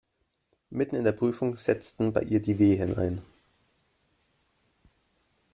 Mitten in der Prüfung setzten bei ihr die Wehen ein.